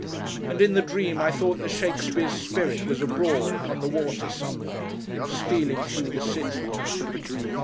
And, in the dream, I thought that Shakespeare's spirit was abroad upon the water somewhere: stealing through the city.